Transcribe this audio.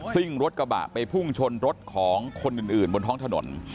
ซิ่งรถกระบะไปพุ่งชนรถของคนอื่นบนท้องถนน